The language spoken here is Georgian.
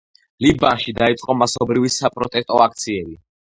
ლიბანში დაიწყო მასობრივი საპროტესტო აქციები.